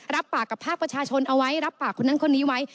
รับปากกับภาคประชาชนเอาไว้รับปากคนนั้นคนนี้ไว้